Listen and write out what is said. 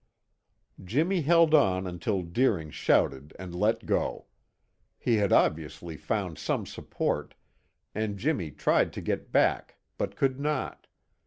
Jimmy held on until Deering shouted and let go. He had obviously found some support, and Jimmy tried to get back, but could not.